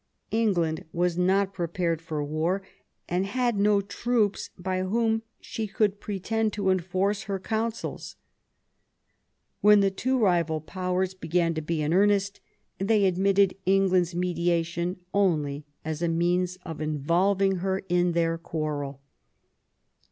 England was not prepared for war, and had no troops by whom she could pretend to enforce her counsels. When the two rival powers began o 82 THOMAS WOLSEY chap. to be in earnest, they admitted England's mediation only as a means of involving her in their quarrel.